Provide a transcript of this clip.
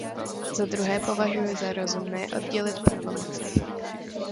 Zadruhé, považuji za rozumné oddělit pravomoci.